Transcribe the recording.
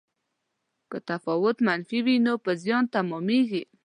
که تفاوت منفي وي نو په زیان تمامیږي.